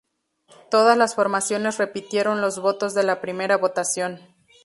Todas las formaciones repitieron los votos de la primera votación.